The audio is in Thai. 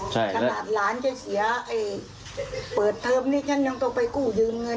ฉันยังต้องไปกู้ยืมเงิน